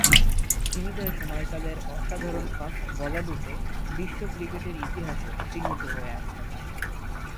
তিনি তার সময়কালের অসাধারণ ফাস্ট বোলাররূপে বিশ্ব ক্রিকেটের ইতিহাসে চিহ্নিত হয়ে আছেন।